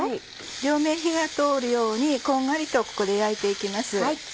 両面火が通るようにこんがりとここで焼いて行きます。